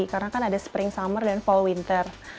karena kan ada spring summer dan fall winter